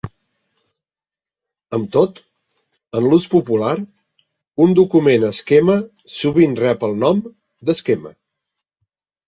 Amb tot, en l'ús popular, un document esquema sovint rep el nom d'esquema.